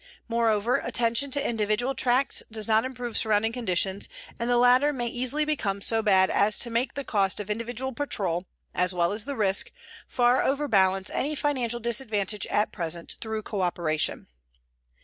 Moreover attention to individual tracts does not improve surrounding conditions, and the latter may easily become so bad as to make the cost of individual patrol, as well as the risk, far overbalance any financial disadvantage at present through co operation.